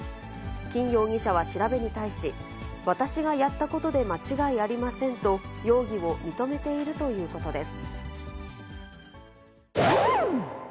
金容疑者は調べに対し、私がやったことで間違いありませんと容疑を認めているということです。